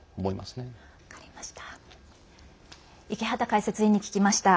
分かりました。